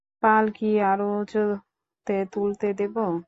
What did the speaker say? পাল কি আরো উঁচুতে তুলে দেবো?